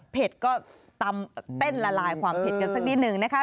ก็ตำเต้นละลายความเผ็ดกันสักนิดนึงนะคะ